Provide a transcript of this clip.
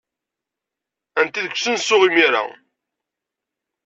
Atni deg usensu imir-a.